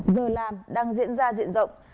giờ làm đang diễn ra diện rộng